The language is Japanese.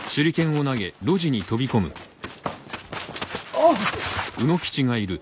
あっ！